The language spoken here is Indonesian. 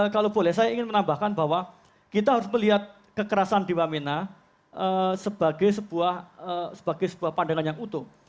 kalau boleh saya ingin menambahkan bahwa kita harus melihat kekerasan di wamena sebagai sebuah pandangan yang utuh